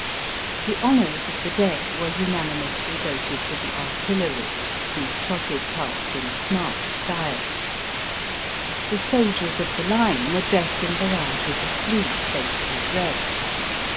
The honours of the day were unanimously voted to the artillery, who trotted past in smart style. The soldiers of the line were Digitized by Google 224 EAST BY WEST. dressed in varieties of blue faced with red.